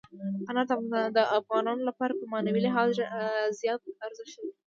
انار د افغانانو لپاره په معنوي لحاظ ډېر زیات ارزښت لري.